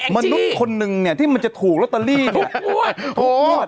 มันมีป้าคนหนึ่งถูก๓๕หนูหรือ๓๓งวด